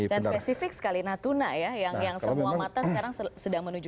dan spesifik sekali natuna ya yang semua mata sekarang sedang menuju ke sana